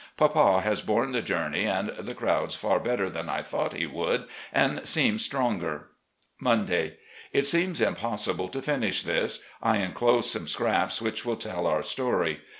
Papa has home the journey and the crowds far better than I thought he would and seems stronger. {Monday.) It seems impossible to finish this — I inclose some scraps which will tell our story.